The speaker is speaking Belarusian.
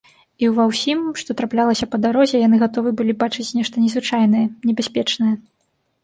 І ўва ўсім, што траплялася па дарозе, яны гатовы былі бачыць нешта незвычайнае, небяспечнае.